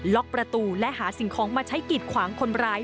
ล็อกประตูและหาสิ่งของมาใช้กิดขวางคนร้าย